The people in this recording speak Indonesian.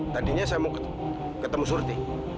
tadinya saya mau ketemu surti